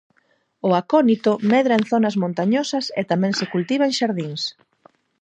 O acónito medra en zonas montañosas e tamén se cultiva en xardíns.